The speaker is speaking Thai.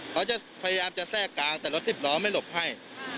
เขาจะพยายามจะแทรกกลางแต่รถสิบล้อไม่หลบให้